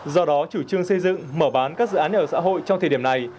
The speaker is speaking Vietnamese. do đó chủ trương xây dựng mở bán các dự án nhà ở xã hội trong thời điểm này